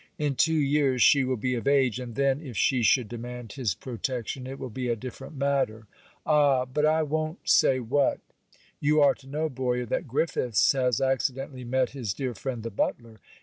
In two years, she will be of age; and then, if she should demand his protection, it will be a different matter. Ah! but I won't say what. You are to know, Boyer, that Griffiths has accidentally met his dear friend the butler.